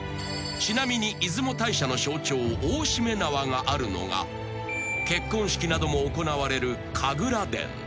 ［ちなみに出雲大社の象徴大注連縄があるのが結婚式なども行われる］